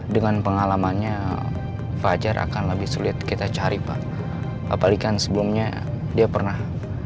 dengan pengalamannya fajar akan lebih sulit kita cari pak apalagi kan sebelumnya dia pernah